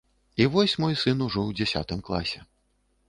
І вось мой сын ужо ў дзясятым класе.